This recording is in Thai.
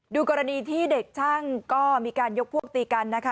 ดูกรณีที่เด็กช่างก็มีการยกพวกตีกันนะคะ